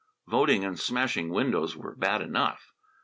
Voting and smashing windows were bad enough.